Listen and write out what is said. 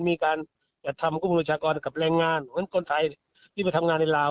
มีการกระทำกรมประชากรกับแรงงานเพราะฉะนั้นคนไทยที่ไปทำงานในลาว